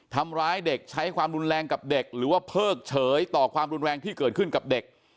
ทำร้ายเด็กใช้ความรุนแรงกับเด็กหรือว่าเพิกเฉยต่อความรุนแรงที่เกิดขึ้นกับเด็ก